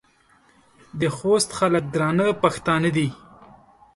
د خوست خلک درانه پښتانه دي.